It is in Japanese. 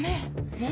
えっ？